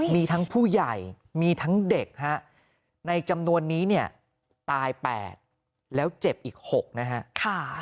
มีทั้งผู้ใหญ่มีทั้งเด็กฮะในจำนวนนี้เนี่ยตาย๘แล้วเจ็บอีก๖นะฮะ